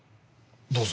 どうぞ。